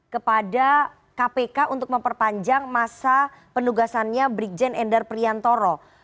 kepada kpk untuk memperpanjang masa penugasannya brigjen endar priantoro